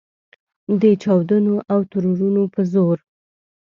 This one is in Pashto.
د چاودنو او ترورونو په زور.